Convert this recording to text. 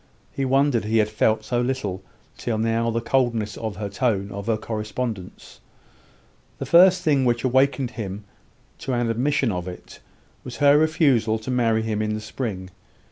He wondered he had felt so little till now the coldness of the tone of her correspondence. The first thing which awakened him to an admission of it, was her refusal to marry him in the spring.